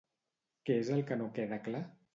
Què és el que no queda clar?